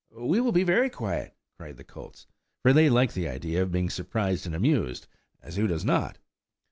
"We will be quiet," cried the colts, for they liked the idea of being surprised and amused, as who does not?